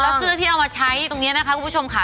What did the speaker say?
แล้วเสื้อที่เอามาใช้ตรงนี้นะคะคุณผู้ชมค่ะ